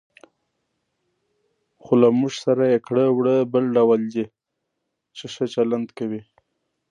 خو له موږ سره یې کړه وړه بل ډول دي، چې ښه چلند کوي.